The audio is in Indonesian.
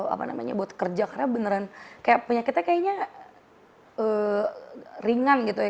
apa namanya buat kerja karena beneran kayak penyakitnya kayaknya ringan gitu ya